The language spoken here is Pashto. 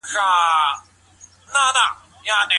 ښځه د نړۍ په تاریخ کي د مېړانې او سرښندنې بې شمېره کیسې لري